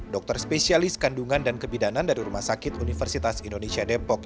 dokter spesialis kandungan dan kebidanan dari rumah sakit universitas indonesia depok